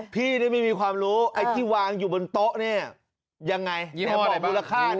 พี่ได้ไม่มีความรู้ไอ้ที่วางอยู่บนโต๊ะเนี่ยยังไงมูลค่า